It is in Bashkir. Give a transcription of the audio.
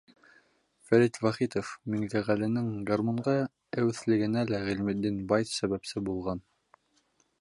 Фәрит ВАХИТОВ, Миңлеғәленең гармунға әүәҫлегенә лә Ғилметдин бай сәбәпсе булған.